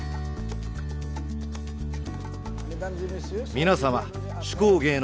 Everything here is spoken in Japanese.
皆様手工芸の都